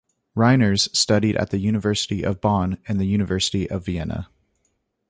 Reiners studied at the University of Bonn and the University of Vienna.